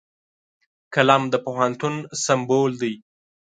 قلم د پوهنتون سمبول دی